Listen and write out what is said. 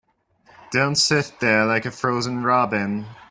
Don't sit there like a frozen robin.